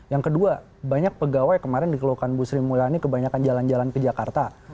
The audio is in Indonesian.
yang kedua banyak pegawai kemarin dikeluhkan bu sri mulyani kebanyakan jalan jalan ke jakarta